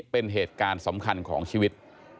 เป็นเหตุการณ์สำคัญของชีวิต